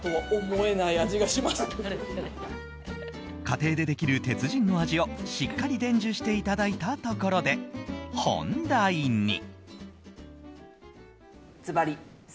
家庭でできる鉄人の味をしっかり伝授していただいたところで本題に。